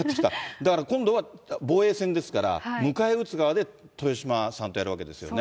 だから今度は防衛戦ですから、迎え撃つ側で豊島さんとやるわけですよね。